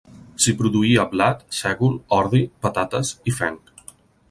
S'hi produïa blat, sègol, ordi, patates i fenc.